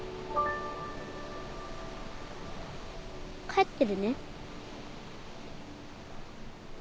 帰ってるね。